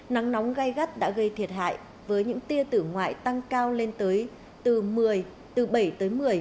nắng nóng gai gắt đã gây thiệt hại với những tia tử ngoại tăng cao lên tới từ một mươi từ bảy tới một mươi